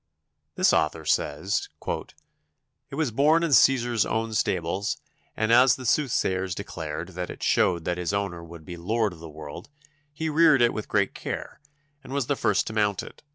This author says: "It was born in Cæsar's own stables, and as the soothsayers declared that it showed that its owner would be lord of the world, he reared it with great care, and was the first to mount it.